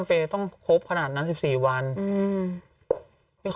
กล้องกว้างอย่างเดียว